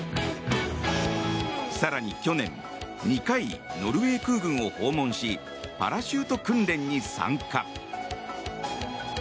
更に、去年２回ノルウェー空軍を訪問しパラシュート訓練に参加。